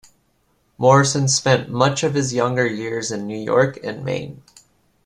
Morison spent much of his younger years in New York and Maine.